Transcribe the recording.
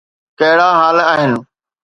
ڪهڙا حال آهن